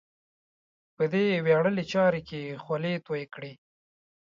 په دې ویاړلې چارې کې یې خولې تویې کړې.